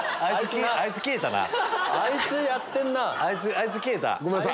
あいつ消えたな。